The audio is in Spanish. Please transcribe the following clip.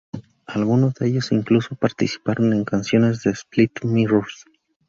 Algunos de ellos incluso participaron en canciones de Split Mirrors.